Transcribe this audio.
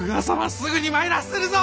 すぐに参らっせるぞ！